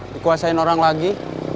dikuasain orang lagi